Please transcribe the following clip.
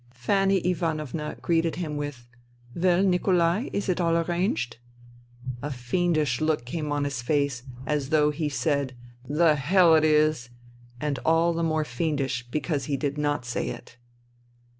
Fanny Ivanovna greeted him with " Well, Nikolai, is it all arranged ?" A fiendish look came on his face, as though he said, " The hell it is !" and all the more fiendish because he did not say it.